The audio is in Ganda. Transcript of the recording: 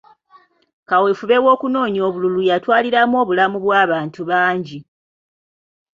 Kaweefube w'okunoonya obululu yatwaliramu obulamu bw'abantu bungi.